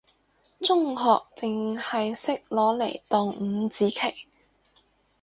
中學淨係識攞嚟當五子棋，